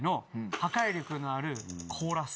破壊力のあるコーラス。